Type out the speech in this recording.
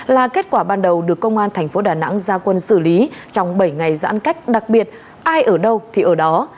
là kết quả ban đầu được công an thành phố đà nẵng gia quân xử lý trong bảy ngày giãn cách đặc biệt ai ở đâu thì ở đó